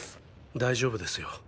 大丈夫ですよ。